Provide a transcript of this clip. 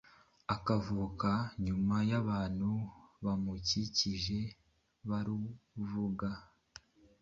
akavuka yumva abantu bamukikije baruvuga